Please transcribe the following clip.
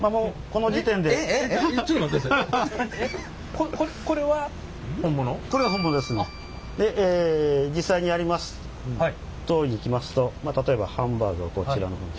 のとおりにいきますとまあ例えばハンバーグをこちらの方に。